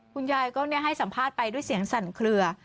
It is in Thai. คุณยายก็ให้สัมภาษณ์ไปด้วยเสียงสั่นเคลือ